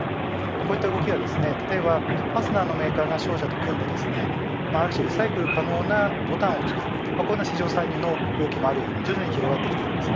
こうした動きは例えばファスナーのメーカーが商社と組んである種リサイクル可能なボタンを作るこうした市場参入の動きもあるように徐々に広がっているようです。